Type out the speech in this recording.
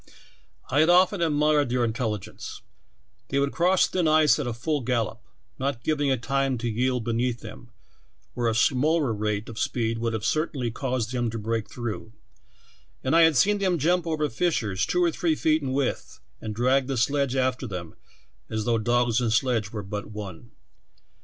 I had often admired their intelligence; they would cross thin ice at a full gallop, not giving it time to yield beneath them, where a slower rate of speed would have eertainly caused them to break through ; and I had seen them jump over fissures two or three feet in width and drag the sledge after them as though dogs and sledge were but one.